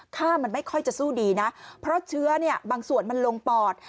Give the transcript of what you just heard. ค่ามันไม่ค่อยจะสู้ดีนะเพราะเชื้อเนี่ยบางส่วนมันลงปอด